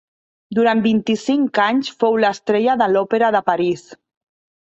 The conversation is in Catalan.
Durant vint-i-cinc anys fou l'estrella de l'Òpera de París.